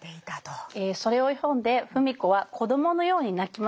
それを読んで芙美子は子どものように泣きます。